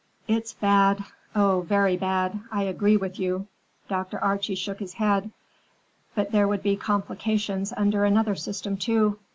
"It's bad, oh, very bad; I agree with you!" Dr. Archie shook his head. "But there would be complications under another system, too.